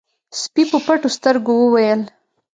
سپي په پټو سترګو وويل: